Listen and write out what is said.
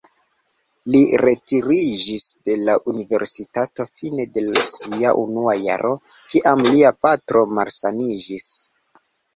Li retiriĝis de la universitato fine de sia unua jaro, kiam lia patro malsaniĝis.